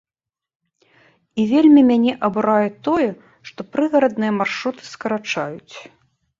І вельмі мяне абурае тое, што прыгарадныя маршруты скарачаюць.